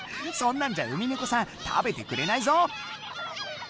そんなんじゃウミネコさん食べてくれないぞ！